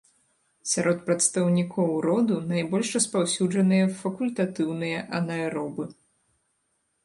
Сярод прадстаўнікоў роду найбольш распаўсюджаныя факультатыўныя анаэробы.